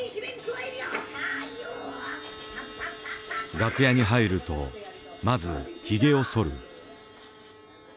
楽屋に入るとまずひげをそる。